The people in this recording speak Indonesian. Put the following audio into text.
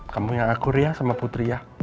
kamu yang aku ria sama putri ya